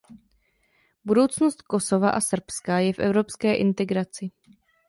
Budoucnost Kosova a Srbska je v evropské integraci.